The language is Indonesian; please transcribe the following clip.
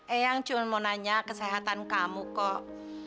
eyang cuma mau nanya kesehatan kamu kok